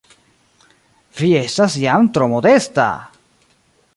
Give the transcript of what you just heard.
Vi estas jam tro modesta!